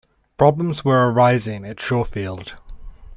Problems were arising at Shawfield.